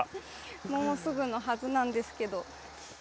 もうすぐのはずなんですけど。